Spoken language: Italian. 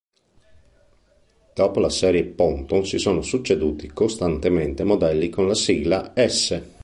Dopo la serie "Ponton" si sono succeduti costantemente modelli con la sigla "S".